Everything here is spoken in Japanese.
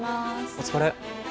お疲れ。